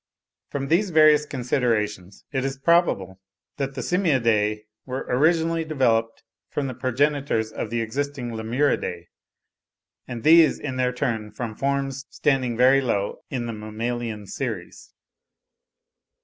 From these various considerations it is probable that the Simiadae were originally developed from the progenitors of the existing Lemuridae; and these in their turn from forms standing very low in the mammalian series.